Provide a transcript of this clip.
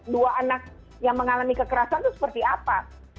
dua anak yang mengalami kekerasan itu seperti apa